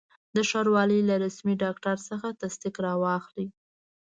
د ښاروالي له رسمي ډاکټر څخه تصدیق را واخلئ.